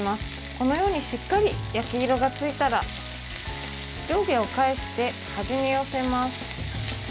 このようにしっかり焼き色がついたら上下を返して端に寄せます。